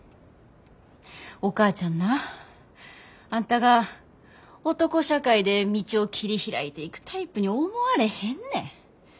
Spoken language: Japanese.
お母ちゃんなあんたが男社会で道を切り開いていくタイプに思われへんねん。